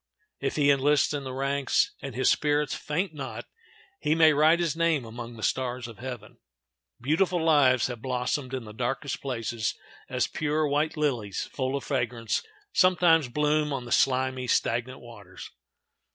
If he enlists in the ranks, and his spirits faint not, he may write his name among the stars of heaven. Beautiful lives have blossomed in the darkest places, as pure, white lilies, full of fragrance, sometimes bloom on the slimy, stagnant waters.